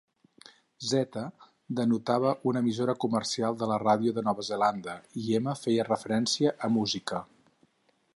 Z denotava una emissora comercial de la ràdio de Nova Zelanda i M feia referència a música.